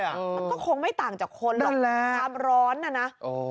มันก็คงไม่ต่างจากคนหรอกความร้อนน่ะนะ